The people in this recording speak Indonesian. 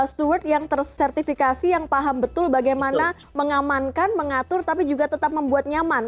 steward yang tersertifikasi yang paham betul bagaimana mengamankan mengatur tapi juga tetap membuat nyaman